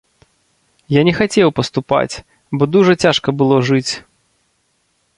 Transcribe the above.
Я не хацеў паступаць, бо дужа цяжка было жыць.